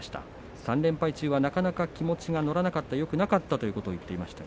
３連敗中はなかなか気持ちが乗らなかったと言っていました。